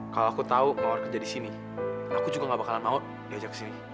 kalau aku tahu power kerja di sini aku juga gak bakalan mau diajak ke sini